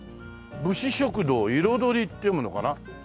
「武士食堂彩り」って読むのかな？